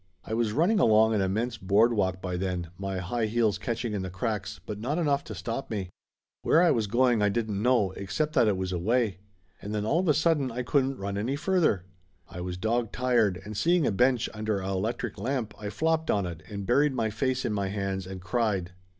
I was running along an immense boardwalk by then, my high heels catching in the cracks, but not enough to stop me. Where I was going I didn't know, except that it was away. And then all of a sudden I couldn't run any further. I was dog tired, and seeing a bench under a electric lamp I flopped on it and buried my face in my hands and cried.